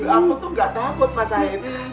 aku tuh gak takut mas haid